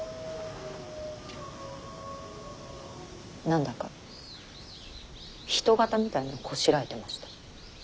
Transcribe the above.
何だか人形みたいなのをこしらえてました。